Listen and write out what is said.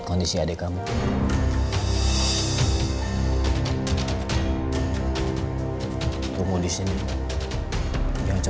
terima kasih ya